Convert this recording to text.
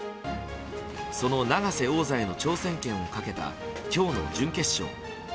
その永瀬王座への挑戦権をかけた今日の準決勝。